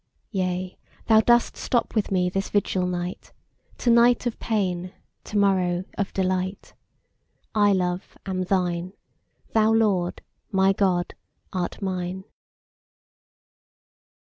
Yea, Thou dost stop with me this vigil night; To night of pain, to morrow of delight: I, Love, am Thine; Thou, Lord, my God, art mine.